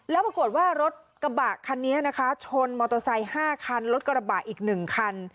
แล้วปรากฏว่ารถกระบะคันนี้นะคะชนมอเตอร์ไซค์๕คันรถกระบะอีก๑คัน